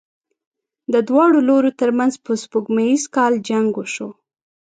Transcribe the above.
د دواړو لورو تر منځ په سپوږمیز کال جنګ وشو.